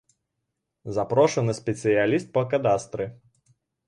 Запрошаны спецыяліст па кадастры.